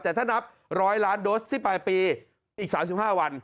แต่ถ้านับ๑๐๐ล้านโดสที่ปลายปีอีก๓๕วัน